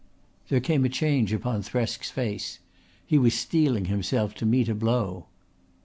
There came a change upon Thresk's face. He was steeling himself to meet a blow.